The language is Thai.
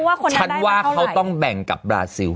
ฉันว่าเขาต้องแบ่งกับบราซิล